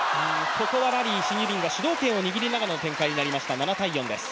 ここはラリー、シン・ユビンが主導権を握りながらの展開になりました。